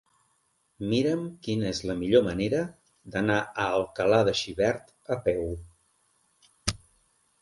Mira'm quina és la millor manera d'anar a Alcalà de Xivert a peu.